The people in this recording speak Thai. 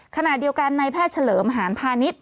ขณะเดียวกันในแพทย์เฉลิมหานพาณิชย